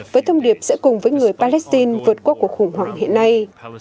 với thông điệp sẽ cùng với người palestine vượt qua cuộc khủng hoảng hiện nay